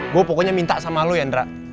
gue pokoknya minta sama lo yandra